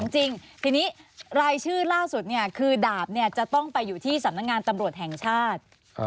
จริงทีนี้รายชื่อล่าสุดคือดาบจะต้องไปอยู่ที่สำนักงานตำรวจแห่งชาติ